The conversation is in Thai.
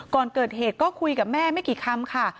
ก่อนเกิดเหตุก็คุยกับแม่ไม่กี่คำค่ะ